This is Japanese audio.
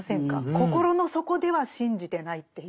心の底では信じてないっていう。